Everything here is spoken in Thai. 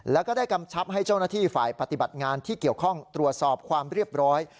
แล้วก็ได้กำชับให้เจ้าหน้าที่ฝ่ายปฏิบัติงานที่เกี่ยวข้องตรวจสอบความเรียบร้อย